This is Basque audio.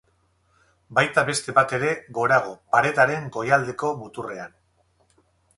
Baita beste bat ere, gorago, paretaren goialdeko muturrean.